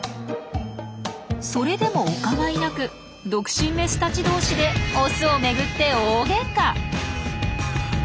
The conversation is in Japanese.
それでもお構いなく独身メスたち同士でオスを巡って大ゲンカ！